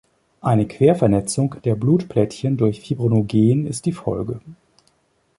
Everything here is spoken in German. Eine Quervernetzung der Blutplättchen durch Fibrinogen ist die Folge.